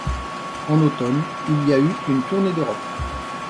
En automne il y a eu une tournée d'Europe.